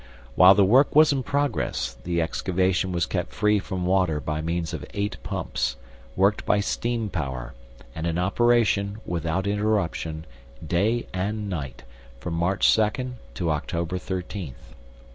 While the work was in progress, the excavation was kept free from water by means of eight pumps, worked by steam power, and in operation, without interruption, day and night, from March second to October thirteenth.